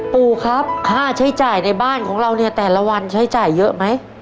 ปู่ครับค่าใช้จ่ายในบ้านของเราเนี่ยแต่ละวันใช้จ่ายเยอะไหม